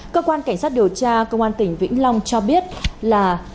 cơ quan cảnh sát điều tra công an tỉnh vĩnh long cho biết là